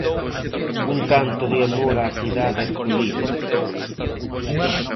Un canto de amor á cidade herculina.